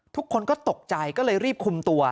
ทุกคนก็ตกใจก็เลยรีบคุมตัว